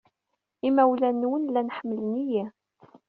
Imawlan-nwen llan ḥemmlen-iyi.